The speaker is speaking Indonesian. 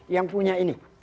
yang punya ini